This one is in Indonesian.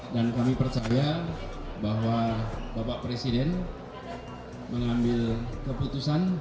dan kami percaya bahwa bapak presiden mengambil keputusan